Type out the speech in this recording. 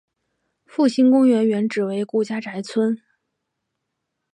复兴公园原址为顾家宅村。